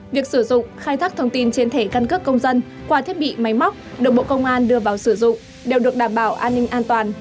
việc sử dụng khai thác thông tin trên thẻ căn cước công dân qua thiết bị máy móc được bộ công an đưa vào sử dụng đều được đảm bảo an ninh an toàn